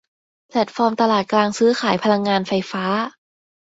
แพลตฟอร์มตลาดกลางซื้อขายพลังงานไฟฟ้า